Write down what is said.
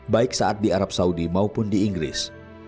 baik saat di arab saudi maupun di inggris